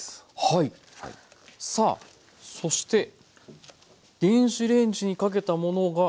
さあそして電子レンジにかけたものが。